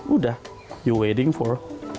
udah you waiting for